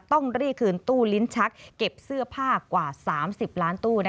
ต้องรีดคืนตู้ลิ้นชักเก็บเสื้อผ้ากว่า๓๐ล้านตู้